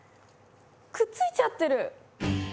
くっついちゃってる。